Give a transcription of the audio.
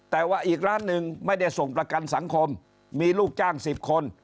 แต่ว่าอีกร้านหนึ่งไม่ได้ส่งประกันสังคมมีลูกจ้าง๑๐คน